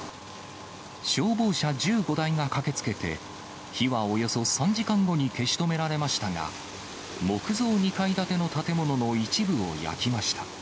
消防車１５台が駆けつけて、火はおよそ３時間後に消し止められましたが、木造２階建ての建物の一部を焼きました。